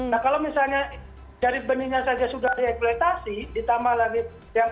nah kalau misalnya dari benihnya saja sudah reeklutasi ditambah lagi perairan artinya kita masih happy